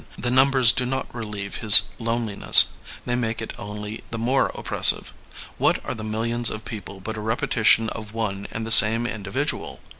The numbers do not relieve his loneliness ; they make it only the more oppressive. What are the millions of people but a repetition of one and the same indi vidual?